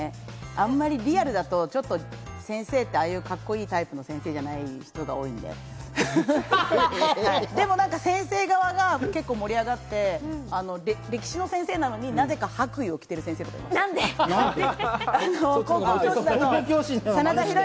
あまりリアルだと先生ってカッコいいタイプの先生じゃない人が多いので、でも先生側が盛り上がって、歴史の先生なのに、なぜか白衣を着ている先生とかいて。